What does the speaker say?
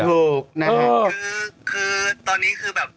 สุดขือตอนนี้คือแบบ